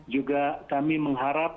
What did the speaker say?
juga kami mengharap